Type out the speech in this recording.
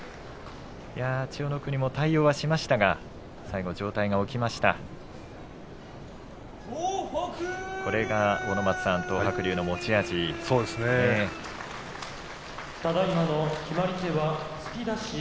千代の国も対応はしましたが最後、上体が起きてしまいました。